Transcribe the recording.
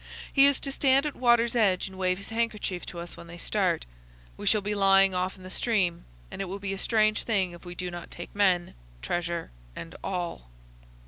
He is to stand at water's edge and wave his handkerchief to us when they start. We shall be lying off in the stream, and it will be a strange thing if we do not take men, treasure, and all."